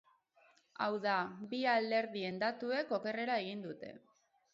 Hau da, bi alderdien datuek okerrera egin dute.